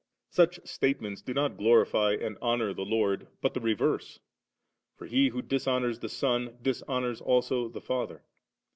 Such statements do not glorify and honour the Lord, but the reverse ; for he who dishonours the Son, dishonours also the Father.